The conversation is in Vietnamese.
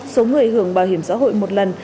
số người hưởng bảo hiểm xã hội một lần